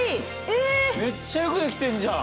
めっちゃよく出来てんじゃん！